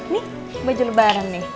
nih baju lebaran nih